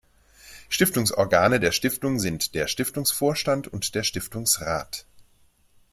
Stiftungsorgane der Stiftung sind der Stiftungsvorstand und der Stiftungsrat.